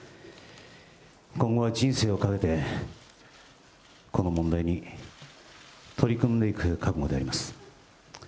今後は人生をかけて、この問題に取り組んでいく覚悟であります。